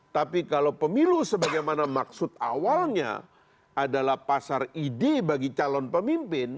tapi kalau pemilu sebagaimana maksud awalnya adalah pasar ide bagi calon pemimpin